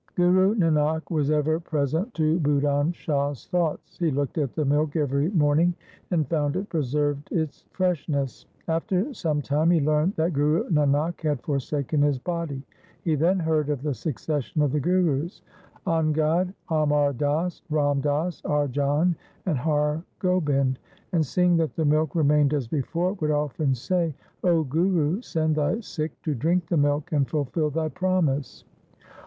Guru Nanak was ever present to Budhan Shah's thoughts. He looked at the milk every morning and found it preserved its freshness. After some time he learned that Guru Nanak had forsaken his body. He then heard of the succession of the Gurus — Angad, Amar Das, Ram Das, Arjan, and Har Gobind — and seeing that the milk remained as before, would often say, ' O Guru, send thy Sikh to drink the milk and fulfil thy promise.'